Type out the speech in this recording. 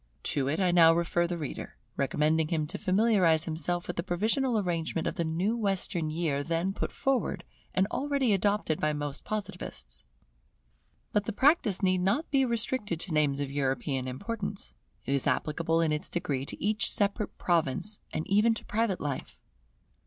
To it I now refer the reader, recommending him to familiarize himself with the provisional arrangement of the new Western year then put forward and already adopted by most Positivists. [Worship of the dead. Commemoration of their service] But the practice need not be restricted to names of European importance. It is applicable in its degree to each separate province, and even to private life.